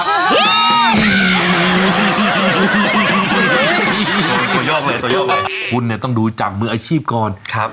สวัสดีครับ